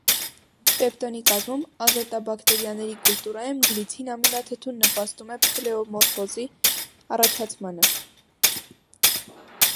Պեպտոնի կազմում ազոտաբակտերիաների կուլտուրայում գլիցին ամինաթթուն նմապստում է պլեոմորֆիզմի առաջացմանը։